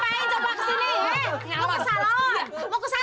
lu ngapain coba kesini